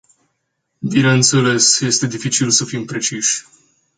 Bineînțeles, este dificil să fim preciși.